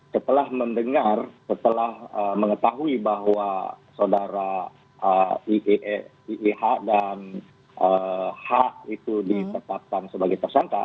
setelah mendengar setelah mengetahui bahwa sodara ieh dan h itu disetapkan sebagai tersangka